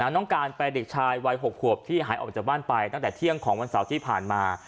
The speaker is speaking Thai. น้องการไปเด็กชายวัย๖ขวบที่หายออกจากบ้านไปตั้งแต่เที่ยงของวันเสาร์ที่ผ่านมา